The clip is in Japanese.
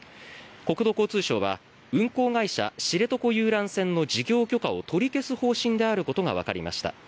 国土交通省は運航会社、知床遊覧船の事業許可を取り消す方針であることがわかりました。